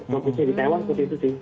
fokusnya di taiwan seperti itu sih